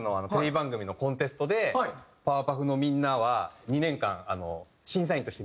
番組のコンテストでパワパフのみんなは２年間審査員として見たんですよ。